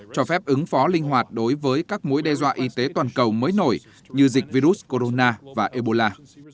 cho phép ứng phó linh hoạt đối với các mối đe dọa y tế toàn cầu mới nổi như dịch virus corona và ebola